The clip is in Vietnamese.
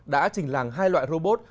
đã trình làng hai loại robot